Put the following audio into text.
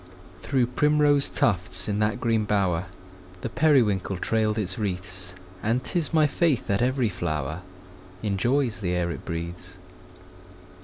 Through primrose tufts, in that green bower, The periwinkle trailed its wreaths; And 'tis my faith that every flower Enjoys the air it breathes.